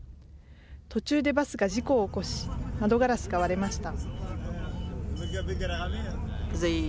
途中でバスが事故を起こし、窓ガラスが割れました。